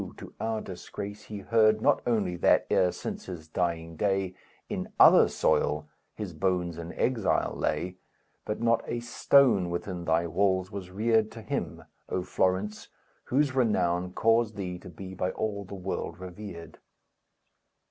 to our disgrace he heard Not only that, e'er since his dying day, In other soil his bones in exile lay, But not a stone within thy walls was reared To him, O Florence, whose renown Caused thee to be by all the world revered.